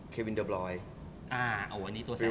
เดิร์ลโบลอย